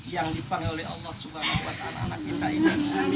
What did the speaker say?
yang dipanggil oleh allah swt anak anak kita ini